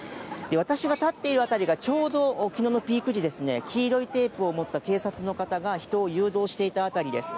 私が立っている辺りがちょうどきのうのピーク時、黄色いテープを持った警察の方が人を誘導していた辺りです。